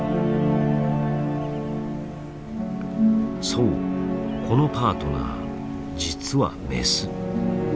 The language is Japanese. そうこのパートナー実はメス。